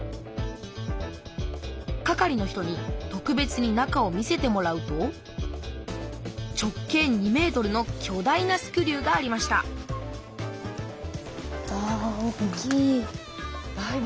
係の人に特別に中を見せてもらうと直径２ｍのきょ大なスクリューがありましたうわ大きい。